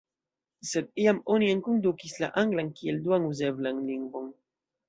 Sed iam oni enkondukis la anglan kiel duan uzeblan lingvon.